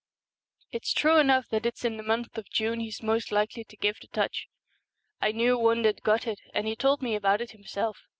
It's true enough that it's in the month of June he's most likely to give the touch. I knew one that got it, and he told me about it himself.